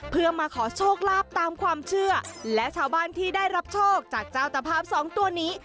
เพื่อมาขอโชคลาภตามความเชื่อและชาวบ้านที่ได้รับโชคจากเจ้าตภาพสองตัวนี้